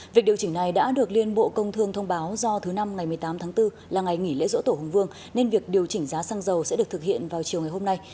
việc điều chỉnh này đã được liên bộ công thương thông báo do thứ năm ngày một mươi tám tháng bốn là ngày nghỉ lễ dỗ tổ hùng vương nên việc điều chỉnh giá xăng dầu sẽ được thực hiện vào chiều ngày hôm nay